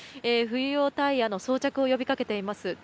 冬用タイヤの装着を呼びかけています。